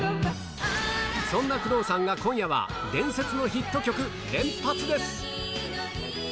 そんな工藤さんが今夜は、伝説のヒット曲連発です。